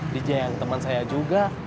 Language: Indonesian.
dija yang teman saya juga